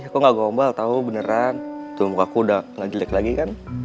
kok ga gombal tau beneran tuh mukaku udah ga jelek lagi kan